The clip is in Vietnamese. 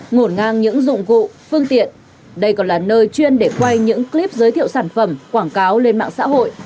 ngổn ngang những dụng cụ phương tiện đây còn là nơi chuyên để quay những clip giới thiệu sản phẩm quảng cáo lên mạng xã hội